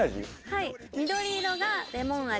はい緑色がレモン味